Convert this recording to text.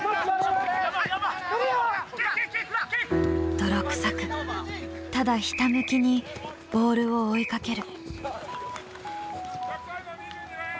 泥臭くただひたむきにボールを追いかける。